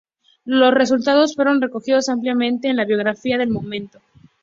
Los resultados fueron recogidos ampliamente en la bibliografía del momento.